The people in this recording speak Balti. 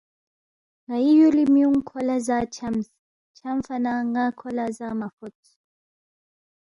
ن٘ئی یُولی میُونگ کھو لہ زا چھمس، چھمفا نہ ن٘ا کھو لہ زا مہ فوتس